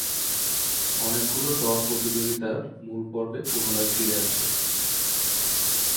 অনেকগুলো দল প্রতিযোগিতার মূল পর্বে পুনরায় ফিরে আসে।